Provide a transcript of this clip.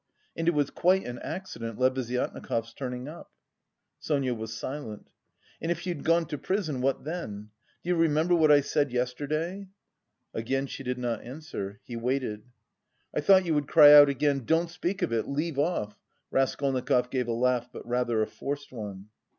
And it was quite an accident Lebeziatnikov's turning up." Sonia was silent. "And if you'd gone to prison, what then? Do you remember what I said yesterday?" Again she did not answer. He waited. "I thought you would cry out again 'don't speak of it, leave off.'" Raskolnikov gave a laugh, but rather a forced one.